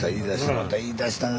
また言いだしたな。